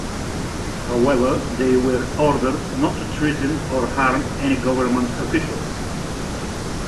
However, they were ordered not to threaten or harm any government officials.